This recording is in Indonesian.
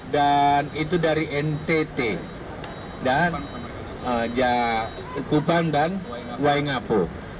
dan itu dari ntt dan kupan dan waingapo